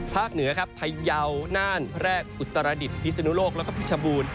เหนือครับพยาวน่านแรกอุตรดิษฐพิศนุโลกแล้วก็พิชบูรณ์